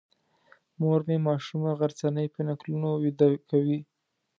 مور یې ماشومه غرڅنۍ په نکلونو ویده کوي.